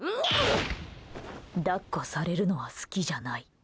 抱っこされるのは好きじゃない。